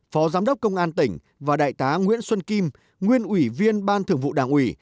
phó giám đốc công an tỉnh và đại tá nguyễn xuân kim nguyên ủy viên ban thường vụ đảng ủy